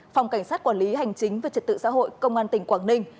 phòng cảnh sát quản lý hành chính về trật tự xã hội công an tỉnh quảng ninh